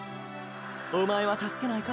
おまえは助けないか？